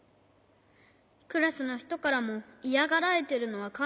クラスのひとからもイヤがられてるのはかんじてるんだ。